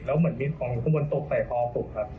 แล้วเหมือนมีของอยู่ข้างบนตบใส่คอผมครับ